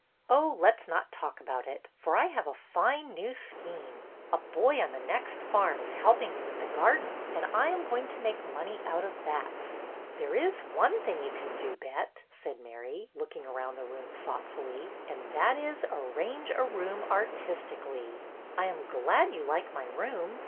Oh, let us not talk about it, for I have a fine new scheme. A boy on the next farm is helping me with the garden and I am going to make money out of that," PRESERVES 131 '' There is one thing you can do, Bet,'' said Mary, looking around the room thoughtfully, and that is, arrange a room artistically." " I am glad you like my room.